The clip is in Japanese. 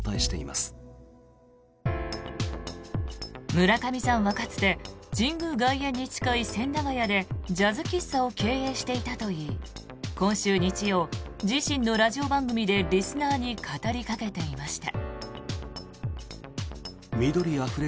村上さんはかつて神宮外苑に近い千駄ヶ谷でジャズ喫茶を経営していたといい今週日曜、自身のラジオ番組でリスナーに語りかけていました。